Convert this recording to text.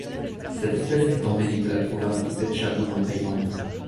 Cette espèce est endémique de la province de Phetchabun en Thaïlande.